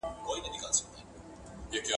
زه به اوږده موده د ښوونځی لپاره تياری کړی وم!